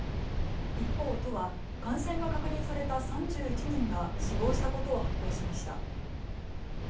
一方、都は感染が確認された３１人が死亡したことを発表しました。